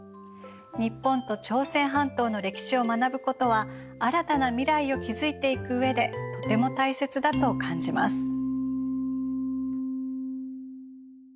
日本と朝鮮半島の歴史を学ぶことは新たな未来を築いていく上でとても大切だと感じます。